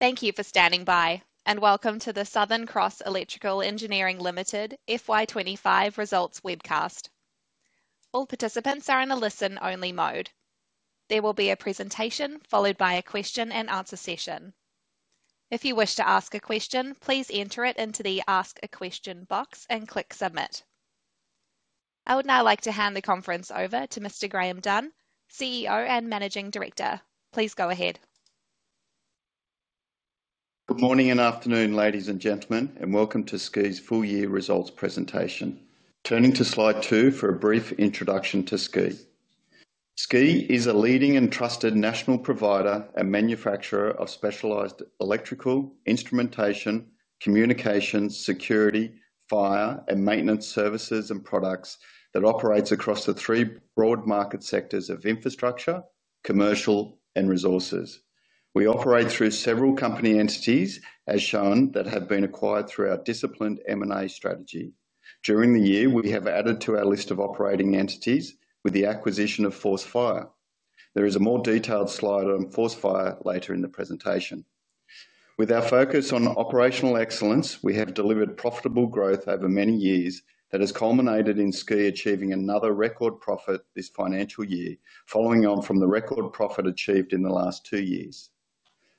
Thank you for standing by and welcome to the Southern Cross Electrical Engineering Limited FY 2025 Results Webcast. All participants are in a listen-only mode. There will be a presentation followed by a question and answer session. If you wish to ask a question, please enter it into the 'Ask a Question' box and click 'Submit.' I would now like to hand the conference over to Mr. Graeme Dunn, CEO and Managing Director. Please go ahead. Good morning and afternoon, ladies and gentlemen, and welcome to SCEE's full-year results presentation. Turning to slide two for a brief introduction to SCEE. SCEE is a leading and trusted national provider and manufacturer of specialized electrical, instrumentation, communications, security, fire, and maintenance services and products that operate across the three broad market sectors of infrastructure, commercial, and resources. We operate through several company entities, as shown, that have been acquired through our disciplined M&A strategy. During the year, we have added to our list of operating entities with the acquisition of Force Fire. There is a more detailed slide on Force Fire later in the presentation. With our focus on operational excellence, we have delivered profitable growth over many years that has culminated in SCEE achieving another record profit this financial year, following on from the record profit achieved in the last two years.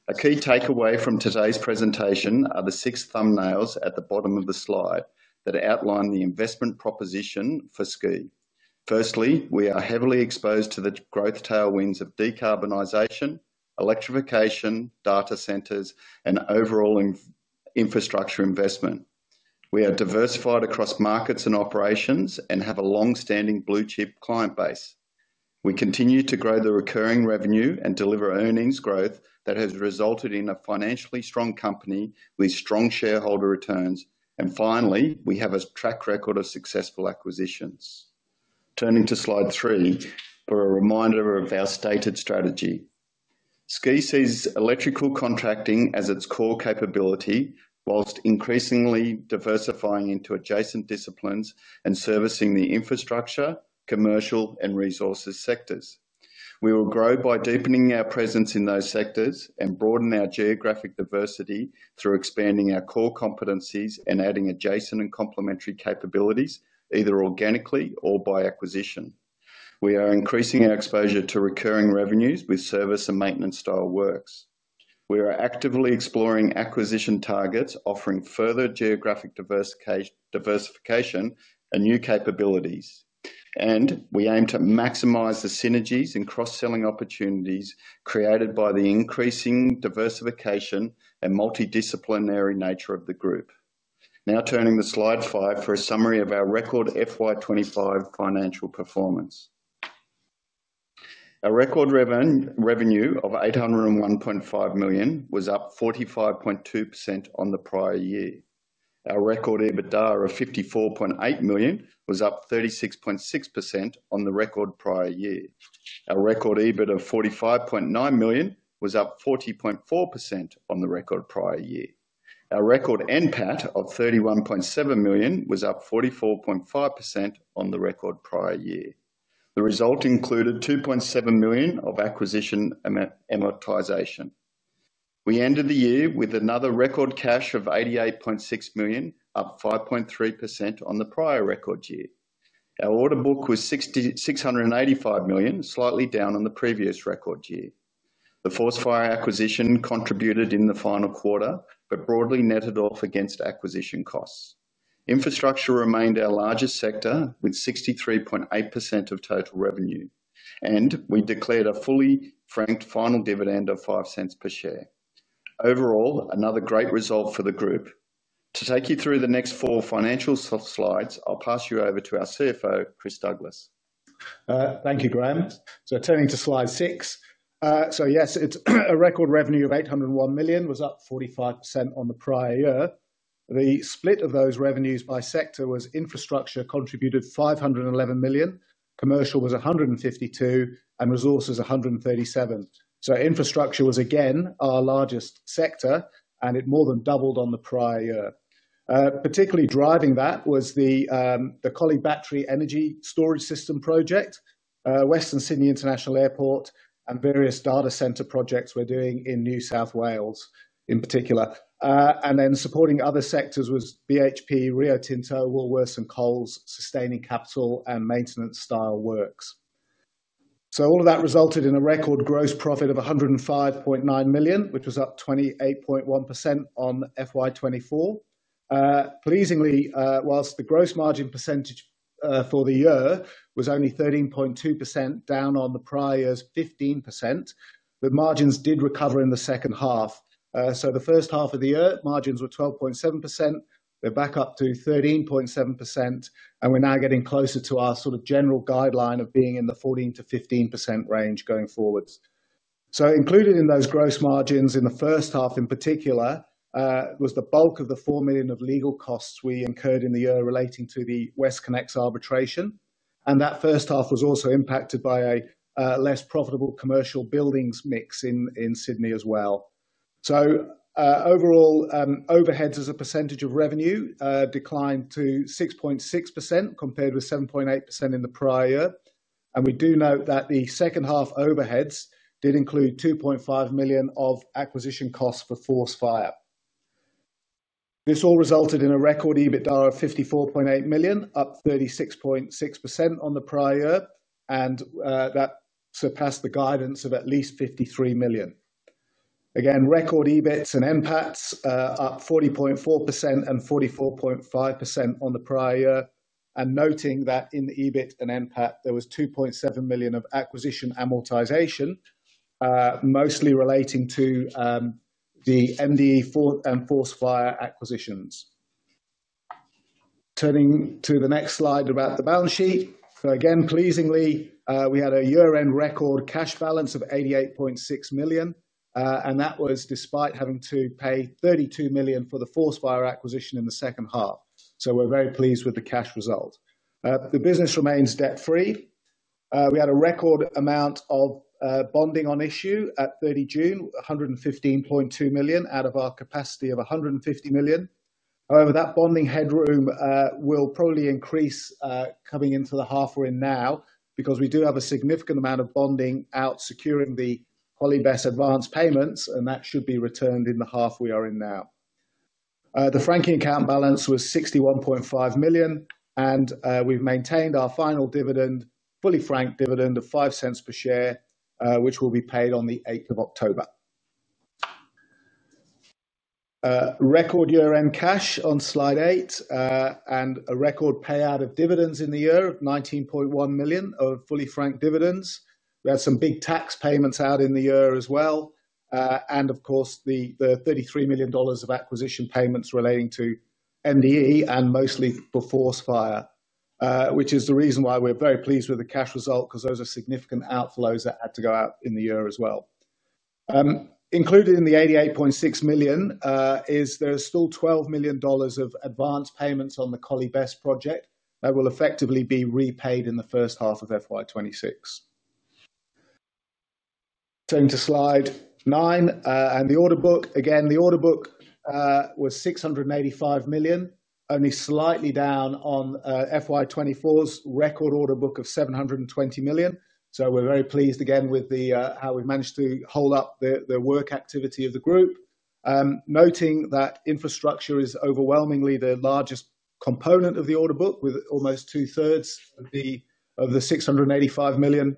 A key takeaway from today's presentation are the six thumbnails at the bottom of the slide that outline the investment proposition for SCEE. Firstly, we are heavily exposed to the growth tailwinds of decarbonization, electrification, data centers, and overall infrastructure investment. We are diversified across markets and operations and have a long-standing blue-chip client base. We continue to grow the recurring revenue and deliver earnings growth that has resulted in a financially strong company with strong shareholder returns, and finally, we have a track record of successful acquisitions. Turning to slide three for a reminder of our stated strategy. SCEE sees electrical contracting as its core capability, whilst increasingly diversifying into adjacent disciplines and servicing the infrastructure, commercial, and resources sectors. We will grow by deepening our presence in those sectors and broaden our geographic diversity through expanding our core competencies and adding adjacent and complementary capabilities, either organically or by acquisition. We are increasing our exposure to recurring revenues with service and maintenance style works. We are actively exploring acquisition targets, offering further geographic diversification and new capabilities, and we aim to maximize the synergies and cross-selling opportunities created by the increasing diversification and multidisciplinary nature of the group. Now turning to slide five for a summary of our record FY 2025 financial performance. Our record revenue of 801.5 million was up 45.2% on the prior year. Our record EBITDA of 54.8 million was up 36.6% on the record prior year. Our record EBIT of 45.9 million was up 40.4% on the record prior year. Our record NPAT of 31.7 million was up 44.5% on the record prior year. The result included 2.7 million of acquisition amortization. We ended the year with another record cash of 88.6 million, up 5.3% on the prior record year. Our order book was 685 million, slightly down on the previous record year. The Force Fire acquisition contributed in the final quarter, but broadly netted off against acquisition costs. Infrastructure remained our largest sector with 63.8% of total revenue, and we declared a fully franked final dividend of 0.05 per share. Overall, another great result for the group. To take you through the next four financial slides, I'll pass you over to our CFO, Chris Douglass. Thank you, Graeme. Turning to slide six. Yes, it's a record revenue of 801 million, up 45% on the prior year. The split of those revenues by sector was infrastructure contributed 511 million, commercial was 152 million, and resources 137 million. Infrastructure was again our largest sector, and it more than doubled on the prior year. Particularly driving that was the Collie Battery Energy Storage System project, Western Sydney International Airport, and various data center projects we're doing in New South Wales in particular. Supporting other sectors was BHP, Rio Tinto, Woolworths and Coles, sustaining capital, and maintenance style works. All of that resulted in a record gross profit of 105.9 million, which was up 28.1% on FY 2024. Pleasingly, whilst the gross margin percentage for the year was only 13.2%, down on the prior year's 15%, the margins did recover in the second half. The first half of the year, margins were 12.7%, they're back up to 13.7%, and we're now getting closer to our sort of general guideline of being in the 14%-15% range going forwards. Included in those gross margins in the first half in particular was the bulk of the 4 million of legal costs we incurred in the year relating to the WestConnex arbitration, and that first half was also impacted by a less profitable commercial building services mix in Sydney as well. Overall, overheads as a percentage of revenue declined to 6.6% compared with 7.8% in the prior year, and we do note that the second half overheads did include 2.5 million of acquisition costs for Force Fire. This all resulted in a record EBITDA of 54.8 million, up 36.6% on the prior year, and that surpassed the guidance of at least 53 million. Again, record EBIT and NPAT up 40.4% and 44.5% on the prior year, and noting that in the EBIT and NPAT there was 2.7 million of acquisition amortization, mostly relating to the MDE and Force Fire acquisitions. Turning to the next slide about the balance sheet. Pleasingly, we had a year-end record cash balance of 88.6 million, and that was despite having to pay 32 million for the Force Fire acquisition in the second half. We're very pleased with the cash result. The business remains debt-free. We had a record amount of bonding on issue at 30 June, 115.2 million out of our capacity of 150 million. However, that bonding headroom will probably increase coming into the half we're in now because we do have a significant amount of bonding out securing the Collie BESS advance payments, and that should be returned in the half we are in now. The franking account balance was 61.5 million, and we've maintained our final fully franked dividend of 0.05 per share, which will be paid on the 8th of October. Record year-end cash on slide eight, and a record payout of dividends in the year of 19.1 million of fully franked dividends. We had some big tax payments out in the year as well, and of course, the 33 million dollars of acquisition payments relating to MDE and mostly for Force Fire, which is the reason why we're very pleased with the cash result because those are significant outflows that had to go out in the year as well. Included in the 88.6 million is there are still 12 million dollars of advance payments on the Collie BESS project that will effectively be repaid in the first half of FY 2026. Turning to slide nine and the order book, again, the order book was 685 million, only slightly down on FY 2024's record order book of 720 million. We're very pleased again with how we've managed to hold up the work activity of the group. Noting that infrastructure is overwhelmingly the largest component of the order book with almost 2/3 of the 685 million.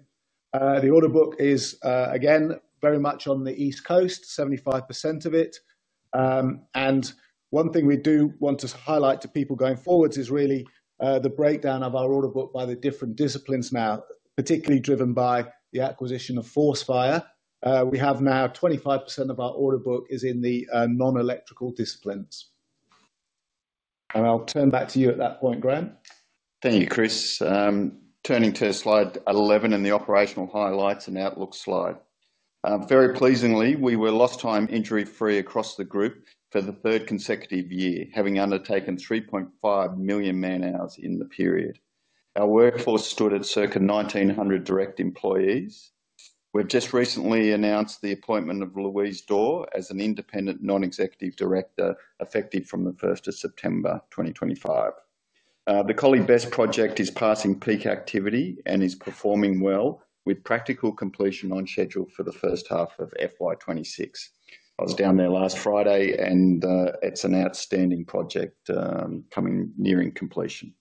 The order book is again very much on the East Coast, 75% of it. One thing we do want to highlight to people going forwards is really the breakdown of our order book by the different disciplines now, particularly driven by the acquisition of Force Fire. We have now 25% of our order book in the non-electrical disciplines. I'll turn back to you at that point, Graeme. Thank you, Chris. Turning to slide 11 and the operational highlights and outlook slide. Very pleasingly, we were lost time injury-free across the group for the third consecutive year, having undertaken 3.5 million man-hours in the period. Our workforce stood at circa 1,900 direct employees. We've just recently announced the appointment of Louise Daw as an independent non-executive director effective from the 1st of September 2025. The Collie BESS project is passing peak activity and is performing well with practical completion on schedule for the first half of FY 2026. I was down there last Friday, and it's an outstanding project coming nearing completion.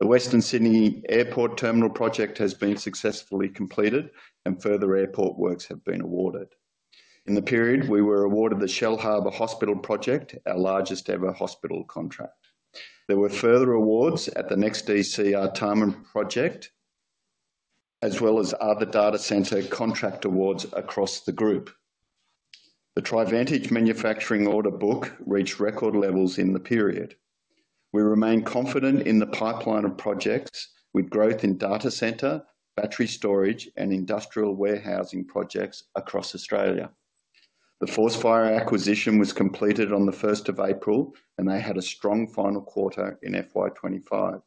The Western Sydney International Airport Terminal project has been successfully completed, and further airport works have been awarded. In the period, we were awarded the Shellharbour Hospital project, our largest ever hospital contract. There were further awards at the NEXTDC Artarmon project, as well as other data center contract awards across the group. The Trivantage Manufacturing order book reached record levels in the period. We remain confident in the pipeline of projects with growth in data center, battery energy storage, and industrial warehousing projects across Australia. The Force Fire acquisition was completed on the 1st of April, and they had a strong final quarter in FY 2025.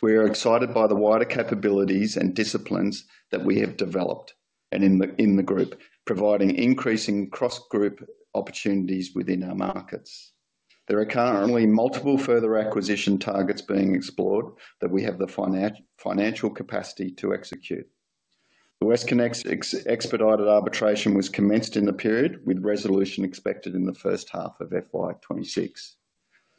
We are excited by the wider capabilities and disciplines that we have developed in the group, providing increasing cross-group opportunities within our markets. There are currently multiple further acquisition targets being explored that we have the financial capacity to execute. The WestConnex arbitration was commenced in the period, with resolution expected in the first half of FY 2026.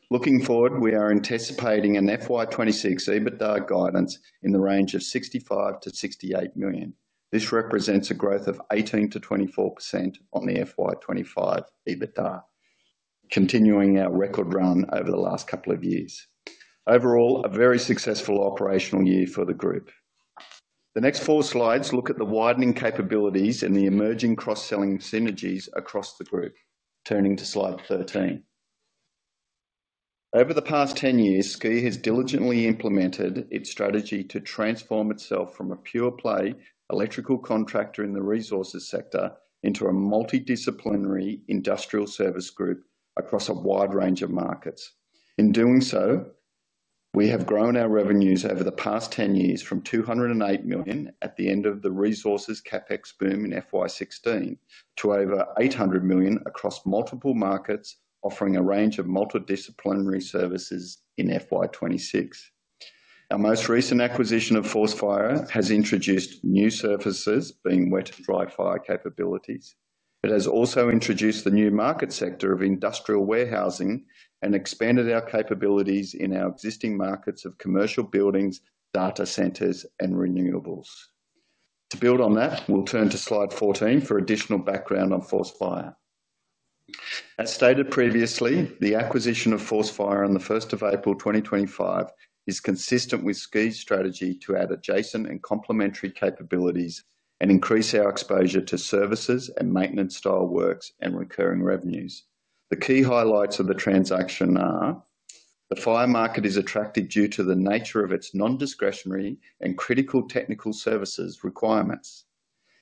Looking forward, we are anticipating an FY 2026 EBITDA guidance in the range of 65 million-68 million. This represents a growth of 18%-24% on the FY 2025 EBITDA, continuing our record run over the last couple of years. Overall, a very successful operational year for the group. The next four slides look at the widening capabilities and the emerging cross-selling synergies across the group. Turning to slide 13. Over the past 10 years, SCEE has diligently implemented its strategy to transform itself from a pure-play electrical contractor in the resources sector into a multidisciplinary industrial service group across a wide range of markets. In doing so, we have grown our revenues over the past 10 years from 208 million at the end of the resources CapEx boom in FY 2016 to over 800 million across multiple markets, offering a range of multidisciplinary services in FY 2026. Our most recent acquisition of Force Fire has introduced new services, being wet and dry fire capabilities. It has also introduced the new market sector of industrial warehousing and expanded our capabilities in our existing markets of commercial building services, data center services, and renewables. To build on that, we'll turn to slide 14 for additional background on Force Fire. As stated previously, the acquisition of Force Fire on the 1st of April 2025 is consistent with SCEE's strategy to add adjacent and complementary capabilities and increase our exposure to services and maintenance style works and recurring revenue. The key highlights of the transaction are the fire market is attractive due to the nature of its non-discretionary and critical technical services requirements.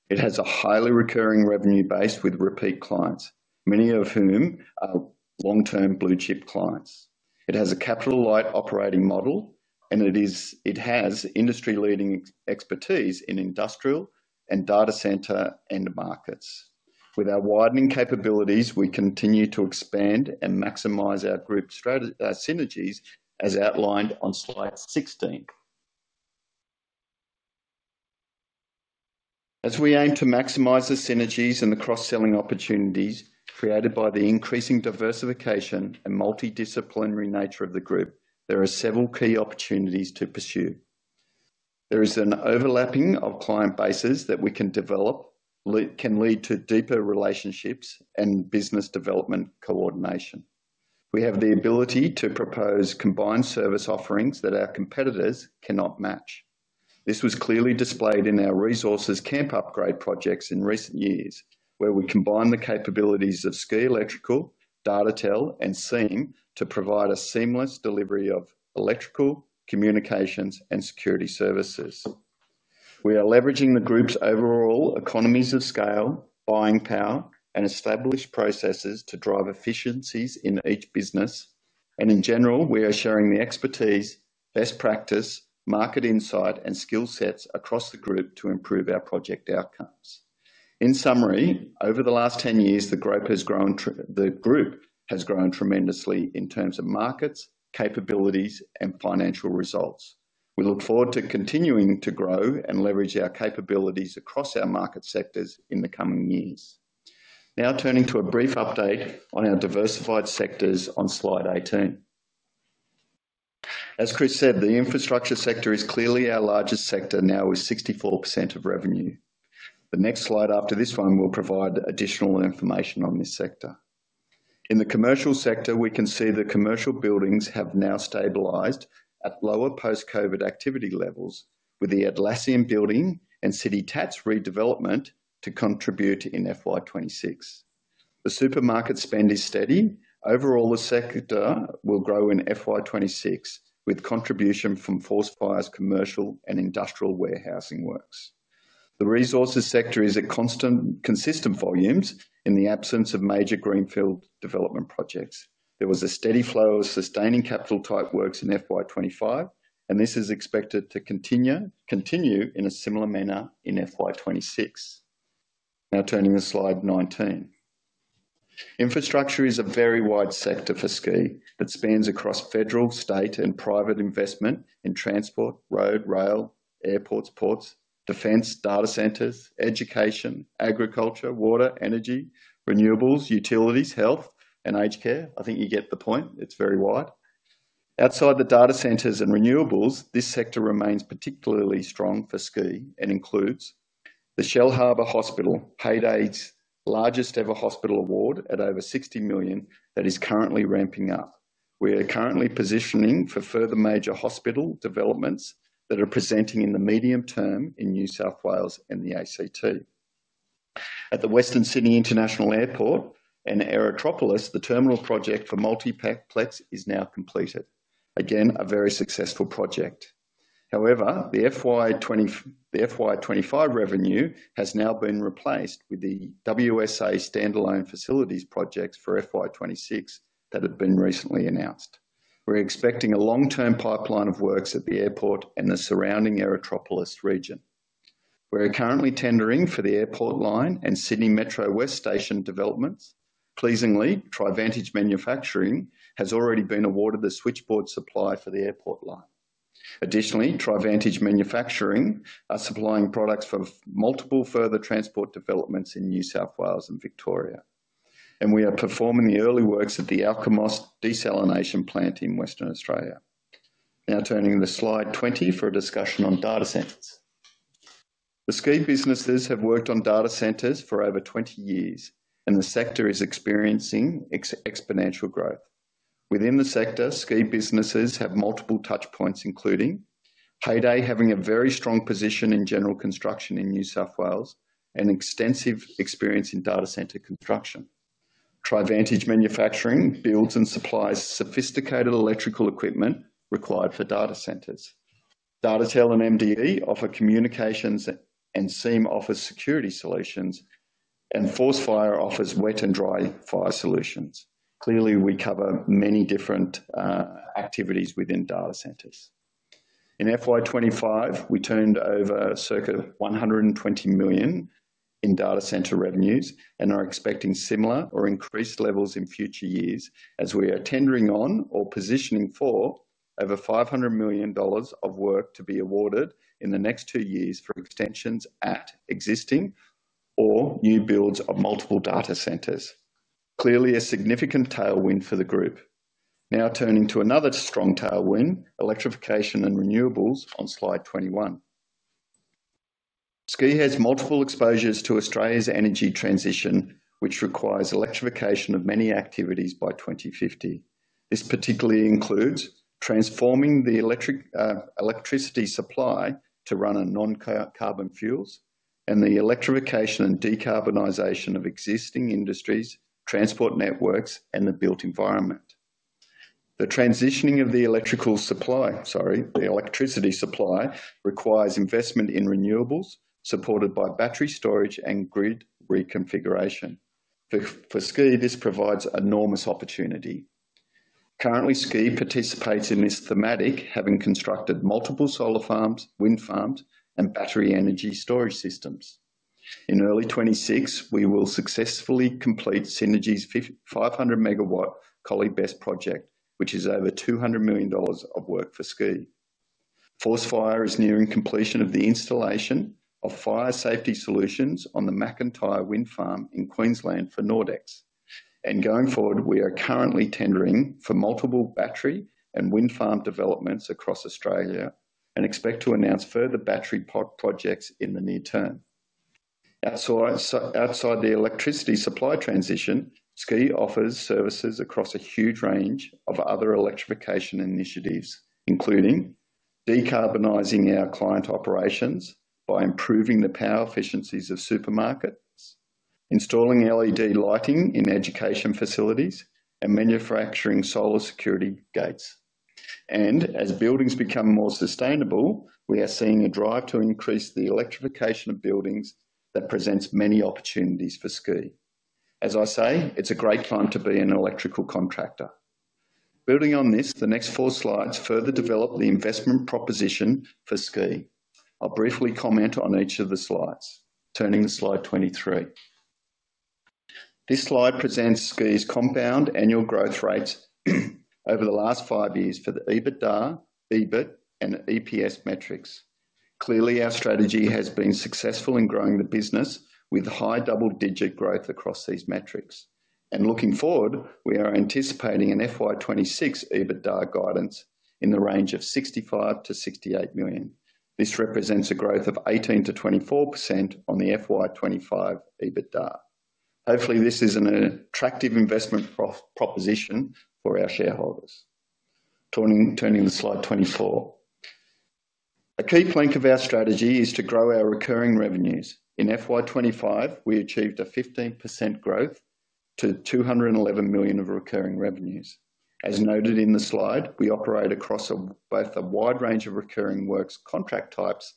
It has a highly recurring revenue base with repeat clients, many of whom are long-term blue-chip clients. It has a capital light operating model, and it has industry-leading expertise in industrial and data center end markets. With our widening capabilities, we continue to expand and maximize our group synergies as outlined on slide 16. As we aim to maximize the synergies and the cross-selling opportunities created by the increasing diversification and multidisciplinary nature of the group, there are several key opportunities to pursue. There is an overlapping of client bases that we can develop, can lead to deeper relationships and business development coordination. We have the ability to propose combined service offerings that our competitors cannot match. This was clearly displayed in our resources camp upgrade projects in recent years, where we combined the capabilities of SCEE Electrical, Datatel, and SEME to provide a seamless delivery of electrical, communications, and security services. We are leveraging the group's overall economies of scale, buying power, and established processes to drive efficiencies in each business. In general, we are sharing the expertise, best practice, market insight, and skill sets across the group to improve our project outcomes. In summary, over the last 10 years, the group has grown tremendously in terms of markets, capabilities, and financial results. We look forward to continuing to grow and leverage our capabilities across our market sectors in the coming years. Now turning to a brief update on our diversified sectors on slide 18. As Chris said, the infrastructure sector is clearly our largest sector now with 64% of revenue. The next slide after this one will provide additional information on this sector. In the commercial sector, we can see the commercial buildings have now stabilized at lower post-COVID activity levels, with the Atlassian building and City Tatts redevelopment to contribute in FY 2026. The supermarket spend is steady. Overall, the sector will grow in FY 2026 with contribution from Force Fire's commercial and industrial warehousing works. The resources sector is at constant consistent volumes in the absence of major greenfield development projects. There was a steady flow of sustaining capital type works in FY 2025, and this is expected to continue in a similar manner in FY 2026. Now turning to slide 19. Infrastructure is a very wide sector for SCEE that spans across federal, state, and private investment in transport, road, rail, airports, ports, defence, data center services, education, agriculture, water, energy, renewables, utilities, health, and aged care. I think you get the point. It's very wide. Outside the data center services and renewables, this sector remains particularly strong for SCEE and includes the Shellharbour Hospital, Heyday's largest ever hospital award at over 60 million that is currently ramping up. We are currently positioning for further major hospital developments that are presenting in the medium term in New South Wales and the ACT. At the Western Sydney International Airport and Aerotropolis, the terminal project for Multiplex is now completed. Again, a very successful project. However, the FY 2025 revenue has now been replaced with the WSIA Stand Alone Facilities Project for FY 2026 that have been recently announced. We're expecting a long-term pipeline of works at the airport and the surrounding Aerotropolis region. We're currently tendering for the airport line and Sydney Metro West Station developments. Pleasingly, Trivantage Manufacturing has already been awarded the switchboard supply for the airport line. Additionally, Trivantage Manufacturing are supplying products for multiple further transport developments in New South Wales and Victoria. We are performing the early works at the Alkimos desalination plant in Western Australia. Now turning to slide 20 for a discussion on data centers. The SCEE businesses have worked on data centers for over 20 years, and the sector is experiencing exponential growth. Within the sector, SCEE businesses have multiple touchpoints, including Heyday having a very strong position in general construction in New South Wales and extensive experience in data center construction. Trivantage Manufacturing builds and supplies sophisticated electrical equipment required for data centers. Datatel and MDE offer communications, SEME offers security solutions, and Force Fire offers wet and dry fire solutions. Clearly, we cover many different activities within data centers. In FY 2025, we turned over approximately 120 million in data center revenues and are expecting similar or increased levels in future years as we are tendering on or positioning for over 500 million dollars of work to be awarded in the next two years for extensions at existing or new builds of multiple data centers. Clearly, a significant tailwind for the group. Now turning to another strong tailwind, electrification and renewables on slide 21. SCEE has multiple exposures to Australia's energy transition, which requires electrification of many activities by 2050. This particularly includes transforming the electricity supply to run on non-carbon fuels and the electrification and decarbonization of existing industries, transport networks, and the built environment. The transitioning of the electricity supply requires investment in renewables supported by battery storage and grid reconfiguration. For SCEE, this provides enormous opportunity. Currently, SCEE participates in this thematic, having constructed multiple solar farms, wind farms, and battery energy storage systems. In early 2026, we will successfully complete Synergy's 500-MW Collie BESS project, which is over 200 million dollars of work for SCEE. Force Fire is nearing completion of the installation of fire safety solutions on the Macintyre Wind Farm in Queensland for Nordex. Going forward, we are currently tendering for multiple battery and wind farm developments across Australia and expect to announce further battery pod projects in the near term. Outside the electricity supply transition, SCEE offers services across a huge range of other electrification initiatives, including decarbonizing our client operations by improving the power efficiencies of supermarkets, installing LED lighting in education facilities, and manufacturing solar security gates. As buildings become more sustainable, we are seeing a drive to increase the electrification of buildings that presents many opportunities for SCEE. As I say, it's a great time to be an electrical contractor. Building on this, the next four slides further develop the investment proposition for SCEE. I'll briefly comment on each of the slides. Turning to slide 23. This slide presents SCEE's compound annual growth rates over the last five years for the EBITDA and EPS metrics. Clearly, our strategy has been successful in growing the business with high double-digit growth across these metrics. Looking forward, we are anticipating an FY 2026 EBITDA guidance in the range of 65 million-68 million. This represents a growth of 18%-24% on the FY 2025 EBITDA. Hopefully, this is an attractive investment proposition for our shareholders. Turning to slide 24. A key point of our strategy is to grow our recurring revenues. In FY 2025, we achieved a 15% growth to 211 million of recurring revenues. As noted in the slide, we operate across both a wide range of recurring works contract types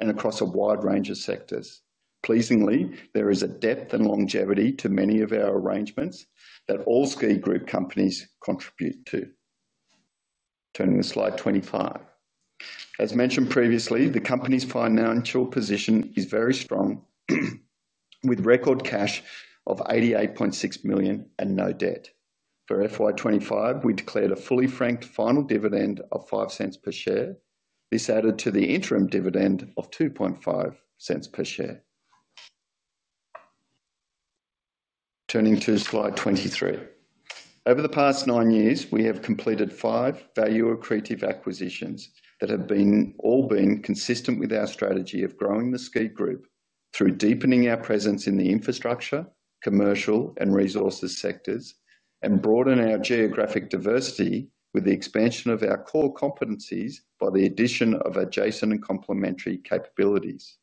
and across a wide range of sectors. Pleasingly, there is a depth and longevity to many of our arrangements that all SCEE Group companies contribute to. Turning to slide 25. As mentioned previously, the company's financial position is very strong, with record cash of 88.6 million and no debt. For FY 2025, we declared a fully franked final dividend of 0.05 per share. This added to the interim dividend of 2.5 per share. Turning to slide 23. Over the past nine years, we have completed five value accretive acquisitions that have all been consistent with our strategy of growing the SCEE Group through deepening our presence in the infrastructure, commercial, and resources sectors, and broaden our geographic diversity with the expansion of our core competencies by the addition of adjacent and complementary capabilities.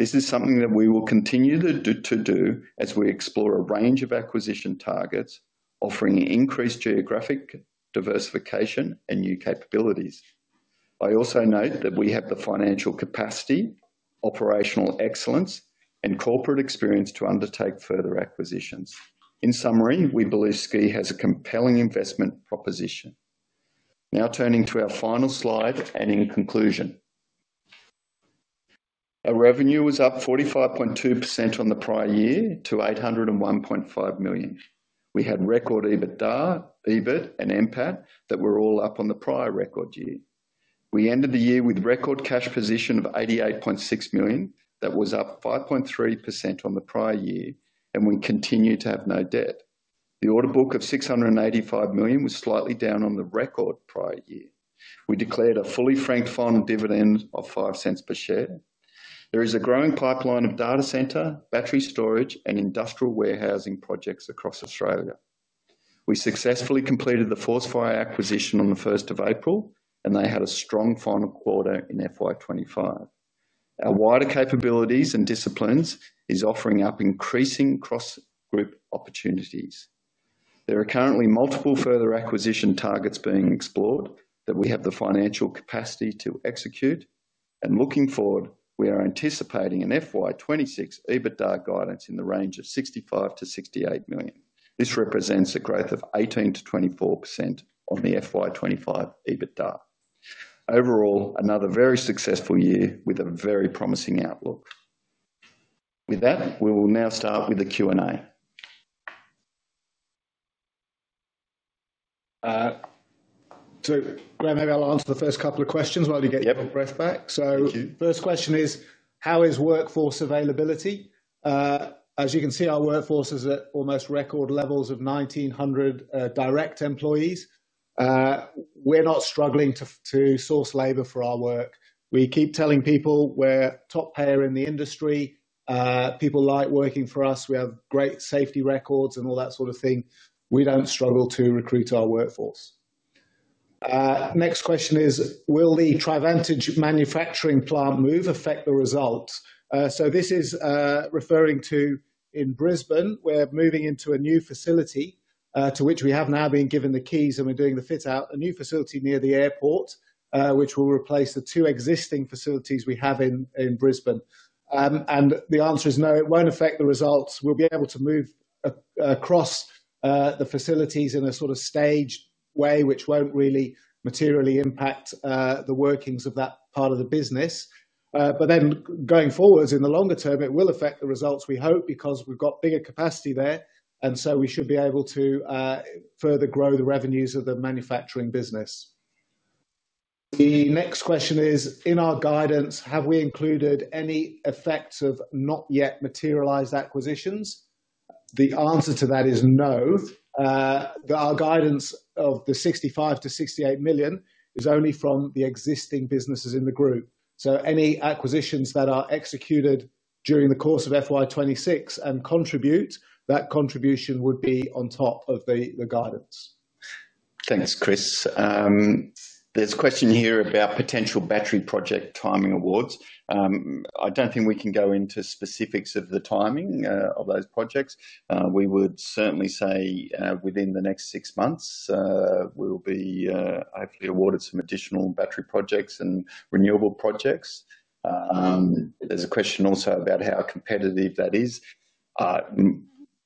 This is something that we will continue to do as we explore a range of acquisition targets, offering increased geographic diversification and new capabilities. I also note that we have the financial capacity, operational excellence, and corporate experience to undertake further acquisitions. In summary, we believe SCEE has a compelling investment proposition. Now turning to our final slide and in conclusion. Our revenue was up 45.2% on the prior year to 801.5 million. We had record EBITDA and NPAT that were all up on the prior record year. We ended the year with a record cash position of 88.6 million that was up 5.3% on the prior year, and we continue to have no debt. The order book of 685 million was slightly down on the record prior year. We declared a fully franked final dividend of 0.05 per share. There is a growing pipeline of data center, battery energy storage, and industrial warehousing projects across Australia. We successfully completed the Force Fire acquisition on the 1st of April, and they had a strong final quarter in FY 2025. Our wider capabilities and disciplines are offering up increasing cross-group opportunities. There are currently multiple further acquisition targets being explored that we have the financial capacity to execute. Looking forward, we are anticipating an FY 2026 EBITDA guidance in the range of 65 million-68 million. This represents a growth of 18%-24% on the FY 2025 EBITDA. Overall, another very successful year with a very promising outlook. With that, we will now start with the Q&A. Graeme, maybe I'll answer the first couple of questions while you get your breath back. First question is, how is workforce availability? As you can see, our workforce is at almost record levels of 1,900 direct employees. We're not struggling to source labor for our work. We keep telling people we're top payer in the industry. People like working for us. We have great safety records and all that sort of thing. We don't struggle to recruit our workforce. Next question is, will the Trivantage Manufacturing plant move affect the results? This is referring to in Brisbane, we're moving into a new facility to which we have now been given the keys, and we're doing the fit-out, a new facility near the airport, which will replace the two existing facilities we have in Brisbane. The answer is no, it won't affect the results. We'll be able to move across the facilities in a sort of staged way, which won't really materially impact the workings of that part of the business. Going forwards in the longer term, it will affect the results we hope because we've got bigger capacity there, and we should be able to further grow the revenues of the manufacturing business. The next question is, in our guidance, have we included any effects of not yet materialized acquisitions? The answer to that is no. Our guidance of 65 million-68 million is only from the existing businesses in the group. Any acquisitions that are executed during the course of FY 2026 and contribute, that contribution would be on top of the guidance. Thanks, Chris. There's a question here about potential battery project timing awards. I don't think we can go into specifics of the timing of those projects. We would certainly say within the next six months, we will be hopefully awarded some additional battery projects and renewable projects. There's a question also about how competitive that is. Our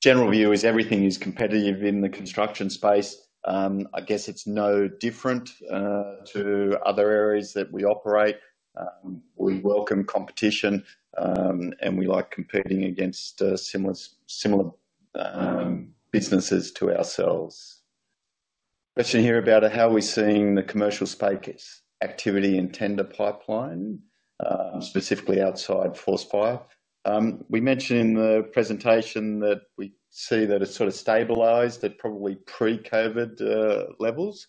general view is everything is competitive in the construction space. I guess it's no different to other areas that we operate. We welcome competition, and we like competing against similar businesses to ourselves. There's a question here about how we're seeing the commercial space activity and tender pipeline, specifically outside Force Fire. We mentioned in the presentation that we see that it's sort of stabilized at probably pre-COVID levels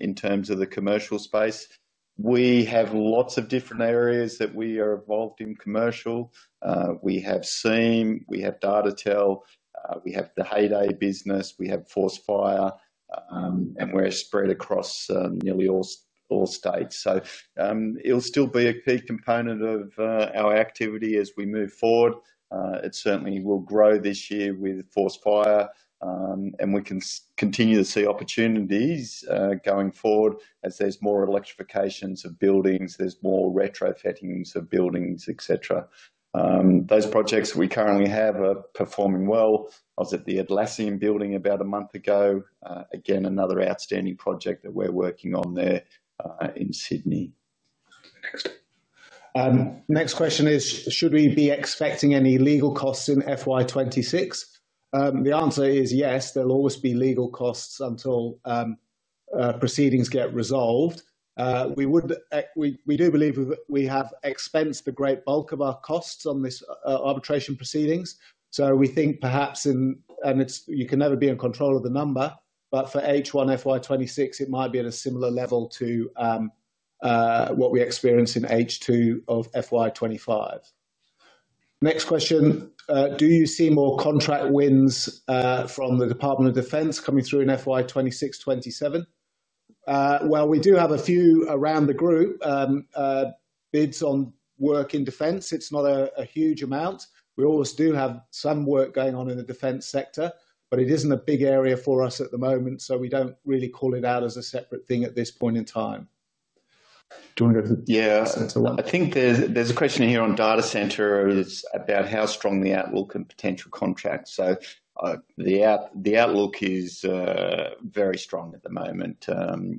in terms of the commercial space. We have lots of different areas that we are involved in commercial. We have SEME, we have Datatel, we have the Heyday business, we have Force Fire, and we're spread across nearly all states. It will still be a key component of our activity as we move forward. It certainly will grow this year with Force Fire, and we can continue to see opportunities going forward as there's more electrification of buildings, there's more retrofitting of buildings, etc. Those projects that we currently have are performing well. I was at the Atlassian building about a month ago. Again, another outstanding project that we're working on there in Sydney. Next question is, should we be expecting any legal costs in FY 2026? The answer is yes, there'll always be legal costs until proceedings get resolved. We do believe we have expensed a great bulk of our costs on this arbitration proceedings. We think perhaps in, and you can never be in control of the number, but for H1 FY 2026, it might be at a similar level to what we experienced in H2 of FY 2025. Next question, do you see more contract wins from the Department of Defence coming through in FY 2026/2027? We do have a few around the group bids on work in defence. It's not a huge amount. We always do have some work going on in the defence sector, but it isn't a big area for us at the moment, so we don't really call it out as a separate thing at this point in time. Do you want to go to the next one? Yeah. I think there's a question here on data centers about how strong the outlook and potential contracts. The outlook is very strong at the moment.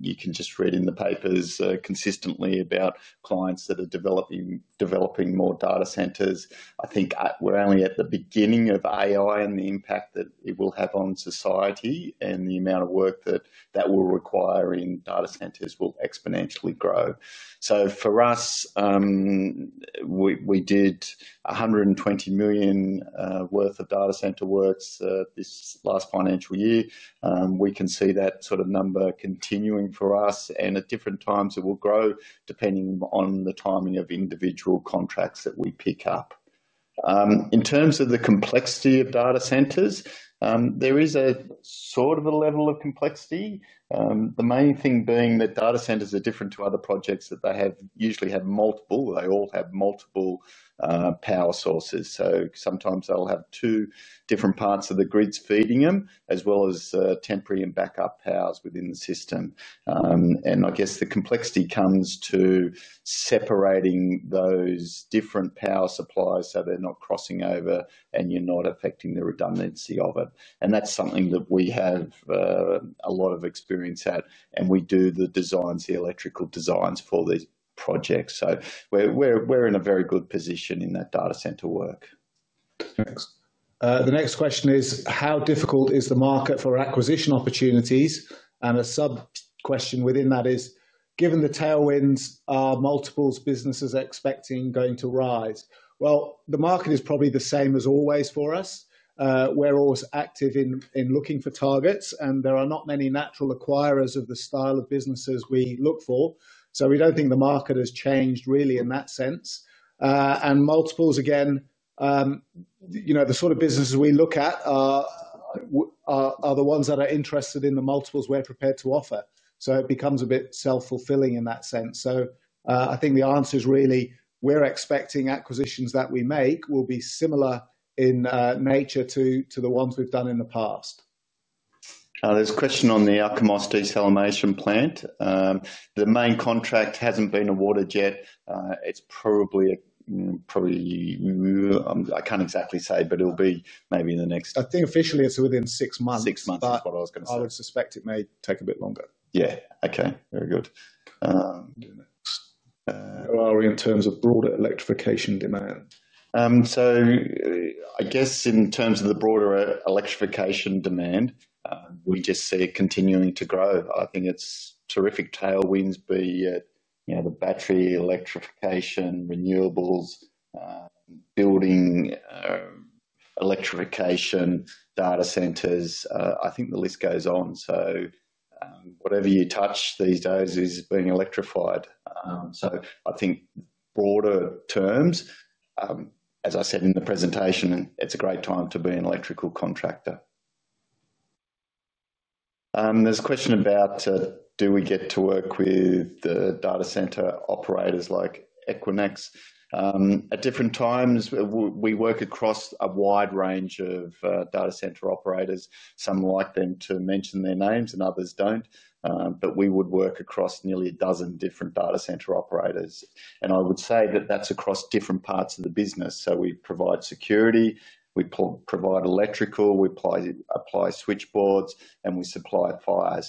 You can just read in the papers consistently about clients that are developing more data centers. I think we're only at the beginning of AI and the impact that it will have on society and the amount of work that that will require in data centers will exponentially grow. For us, we did 120 million worth of data center works this last financial year. We can see that sort of number continuing for us, and at different times it will grow depending on the timing of individual contracts that we pick up. In terms of the complexity of data centers, there is a sort of a level of complexity, the main thing being that data centers are different to other projects that they usually have multiple. They all have multiple power sources. Sometimes they'll have two different parts of the grids feeding them, as well as temporary and backup powers within the system. I guess the complexity comes to separating those different power supplies so they're not crossing over and you're not affecting the redundancy of it. That's something that we have a lot of experience at, and we do the designs, the electrical designs for these projects. We're in a very good position in that data center work. The next question is, how difficult is the market for acquisition opportunities? A sub-question within that is, given the tailwinds, are multiple businesses expecting going to rise? The market is probably the same as always for us. We're always active in looking for targets, and there are not many natural acquirers of the style of businesses we look for. We don't think the market has changed really in that sense. Multiples, again, you know, the sort of businesses we look at are the ones that are interested in the multiples we're prepared to offer. It becomes a bit self-fulfilling in that sense. I think the answer is really we're expecting acquisitions that we make will be similar in nature to the ones we've done in the past. There's a question on the Alkimos desalination plant. The main contract hasn't been awarded yet. It's probably, I can't exactly say, but it'll be maybe in the next. I think officially it's within six months, but I would suspect it may take a bit longer. Yeah, okay, very good. Where are we in terms of broader electrification demand? In terms of the broader electrification demand, we just see it continuing to grow. I think it's terrific tailwinds, be it the battery, electrification, renewables, building electrification, data centers. I think the list goes on. Whatever you touch these days is being electrified. In broader terms, as I said in the presentation, it's a great time to be an electrical contractor. There's a question about, do we get to work with the data center operators like Equinix? At different times, we work across a wide range of data center operators. Some like us to mention their names and others don't. We would work across nearly a dozen different data center operators, and I would say that that's across different parts of the business. We provide security, we provide electrical, we supply switchboards, and we supply fire.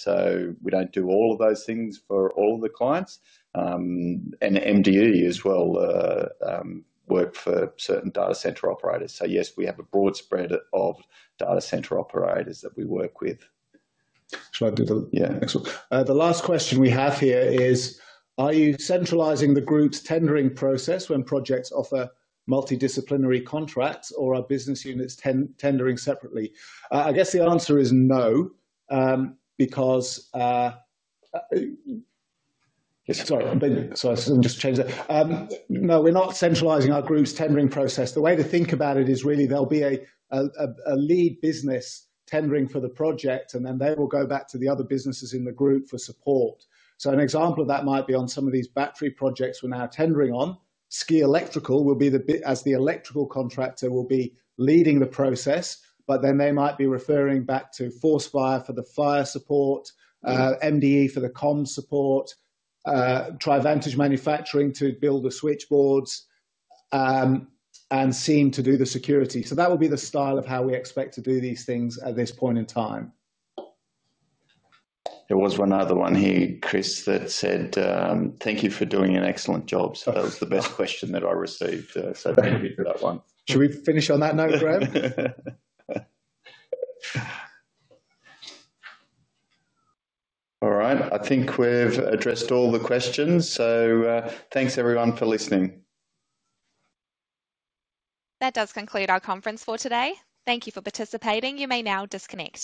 We don't do all of those things for all of the clients. MDE as well work for certain data center operators. Yes, we have a broad spread of data center operators that we work with. Should I do the next one? The last question we have here is, are you centralizing the group's tendering process when projects offer multidisciplinary contracts or are business units tendering separately? I guess the answer is no because, no, we're not centralizing our group's tendering process. The way to think about it is really there'll be a lead business tendering for the project, and then they will go back to the other businesses in the group for support. An example of that might be on some of these battery projects we're now tendering on. SCEE Electrical will be, as the electrical contractor, leading the process, but then they might be referring back to Force Fire for the fire support, MDE for the comms support, Trivantage Manufacturing to build the switchboards, and SEME to do the security. That will be the style of how we expect to do these things at this point in time. There was one other one here, Chris, that said, "Thank you for doing an excellent job." That was the best question that I received. Thank you for that one. Should we finish on that note, Graeme? All right, I think we've addressed all the questions. Thanks everyone for listening. That does conclude our conference for today. Thank you for participating. You may now disconnect.